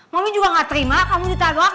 mami juga enggak terima kamu ditabrak